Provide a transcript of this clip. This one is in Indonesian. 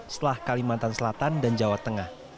setelah kalimantan selatan dan jawa tengah